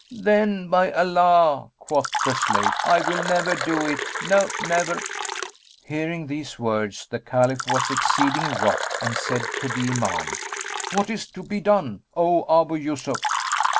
"Then by Allah," quoth the slave, "I will never do it; no, never!" Hearing these words the Caliph was exceeding wroth and said to the Imam, "What is to be done, O Abu Yusuf?"